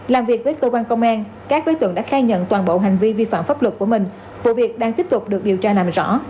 làm việc với cơ quan công an các đối tượng đã khai nhận toàn bộ hành vi vi phạm pháp luật của mình vụ việc đang tiếp tục được điều tra làm rõ